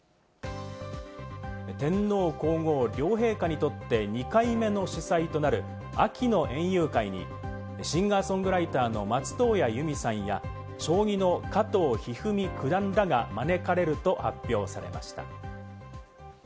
天皇皇后両陛下にとって２回目の主催となる秋の園遊会にシンガー・ソングライターの松任谷由実さんや、将棋の加藤一二三九段らが、招かれると発表されました。